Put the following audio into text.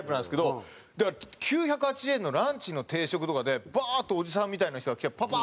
だから９８０円のランチの定食とかでバーッとおじさんみたいな人が来てパパ